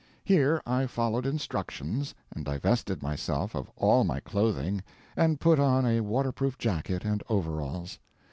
Here I followed instructions, and divested myself of all my clothing, and put on a waterproof jacket and overalls.